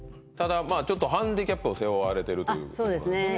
ただちょっとハンディキャップを背負われてるということですね